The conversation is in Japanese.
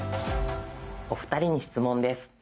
お二人に質問です。